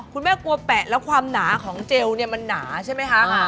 กลัวแปะแล้วความหนาของเจลเนี่ยมันหนาใช่ไหมคะ